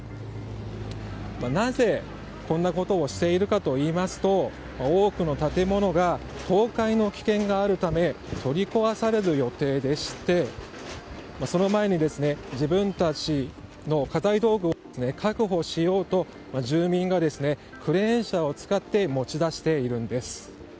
なぜ、こんなことをしているかといいますと多くの建物が倒壊の危険があるため取り壊される予定でしてその前に、自分たちの家財道具を確保しようと住民がクレーン車を使って持ち出しているんです。